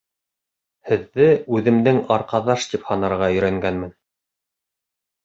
Һеҙҙе үҙемдең арҡаҙаш тип һанарға өйрәнгәнмен.